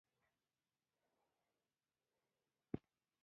سانتیاګو د کاروان سره یو ځای کیږي.